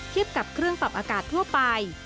กับเครื่องปรับอากาศทั่วไป